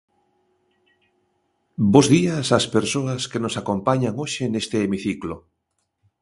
Bos días ás persoas que nos acompañan hoxe neste hemiciclo.